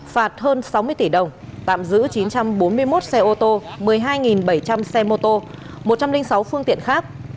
phạt hơn sáu mươi tỷ đồng tạm giữ chín trăm bốn mươi một xe ô tô một mươi hai bảy trăm linh xe mô tô một trăm linh sáu phương tiện khác